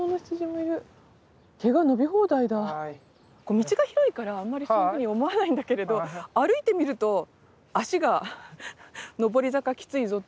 道が広いからあんまりそういうふうに思わないんだけれど歩いてみると脚が上り坂きついぞって言ってます。